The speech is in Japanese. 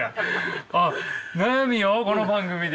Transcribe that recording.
あっ悩みをこの番組で？